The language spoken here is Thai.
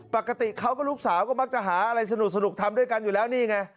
ปกติเขาก็ลูกสาวก็มักจะหาอะไรสนุกทำด้วยกันอยู่แล้วนี่ไง